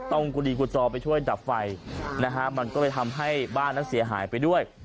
กุดีกุจอไปช่วยดับไฟนะฮะมันก็เลยทำให้บ้านนั้นเสียหายไปด้วย